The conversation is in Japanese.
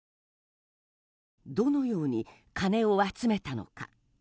どのように金を集めたのか。